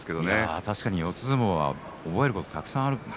確かに四つ相撲も覚えることがたくさんありますね。